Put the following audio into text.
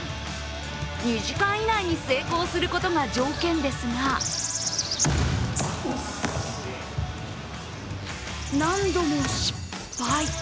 ２時間以内に成功することが条件ですが何度も失敗。